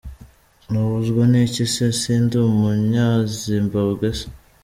Nabuzwa n’iki se? Sindi umunya Zimbabwe se?”.